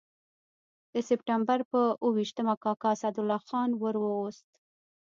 د سپټمبر پر اووه ویشتمه کاکا اسدالله خان ور ووست.